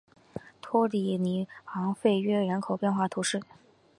托里尼昂弗约人口变化图示